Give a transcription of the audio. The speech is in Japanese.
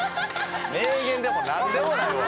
名言でもなんでもないわ。